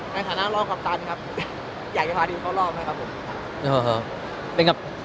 ในฐานะรอบกัปตันครับอยากจะพาทีมเข้ารอบไหมครับผม